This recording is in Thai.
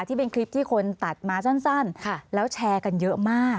ที่เป็นคลิปที่คนตัดมาสั้นแล้วแชร์กันเยอะมาก